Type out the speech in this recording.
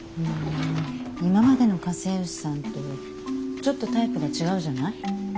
今までの家政婦さんとちょっとタイプが違うじゃない？